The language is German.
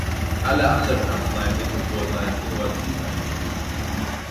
Alle anderen Arzneimittel wurden als innovativ eingestuft.